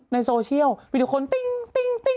แล้วยังไง